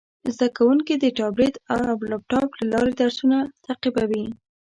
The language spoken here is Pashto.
زده کوونکي د ټابلیټ او لپټاپ له لارې درسونه تعقیبوي.